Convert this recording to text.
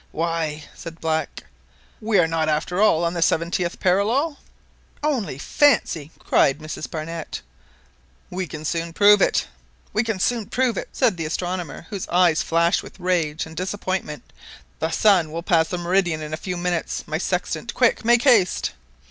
"Why," said Black, "we are not after all on the seventieth parallel !" "Only fancy !" cried Mrs Barnett. "We can soon prove it," said the astronomer whose eyes flashed with rage and disappointment. "The sun will pass the meridian in a few minutes. ... My sextant quick ... make haste